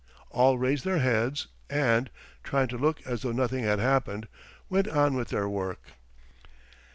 All raised their heads and, trying to look as though nothing had happened, went on with their work.